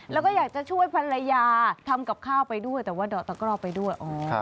แล้วก็อยากจะช่วยภรรยาทำกับข้าวไปด้วยแต่ว่าดอกตะกร่อไปด้วย